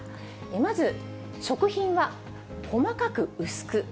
まず、食品は細かく薄く。